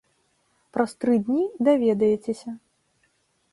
Праз тры дні даведаецеся.